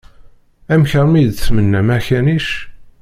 Amek armi i d-tmennam akanic?